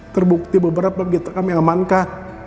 terbukti beberapa gitu kami amankan